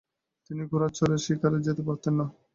তিনি ঘোড়ায় চড়ে শিকারে যেতে পারতেন না।